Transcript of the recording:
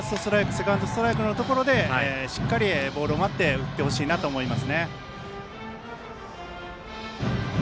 セカンドストライクのところでしっかりボールを待って打ってほしいなと思いますね。